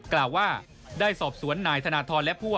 กล่าวว่าได้สอบสวนนายธนทรและพวก